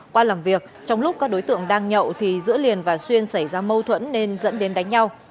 qua làm việc trong lúc các đối tượng đang nhậu thì giữa liền và xuyên xảy ra mâu thuẫn nên dẫn đến đánh nhau